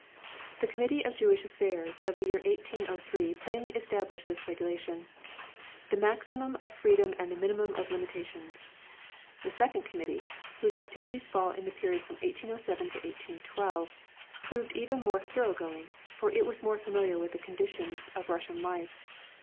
The Committee of Jewish Affairs of the year 1803 plainly established this regulation: "the maximum of freedom and the minimum of limitations." The second Committee, whose activities fall in the period from 1807 to 1812, proved even more thoroughgoing, for it was more familiar with the conditions of Russian life.